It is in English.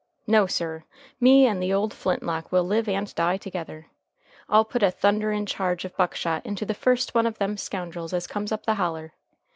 No, sir; me and the old flintlock will live and die together. I'll put a thunderin' charge of buckshot into the first one of them scoundrels as comes up the holler.